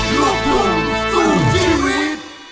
ลูกคุมสู่ทีวี